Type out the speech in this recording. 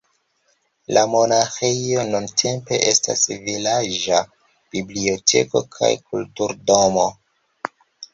La monaĥejo nuntempe estas vilaĝa biblioteko kaj kulturdomo.